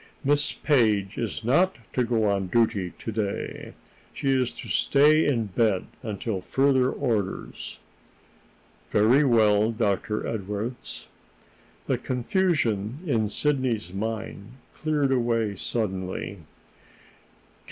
"Miss Page is not to go on duty to day. She is to stay in bed until further orders." "Very well, Dr. Edwardes." The confusion in Sidney's mind cleared away suddenly.